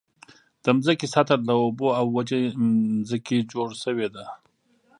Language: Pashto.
د ځمکې سطحه له اوبو او وچې ځمکې جوړ شوې ده.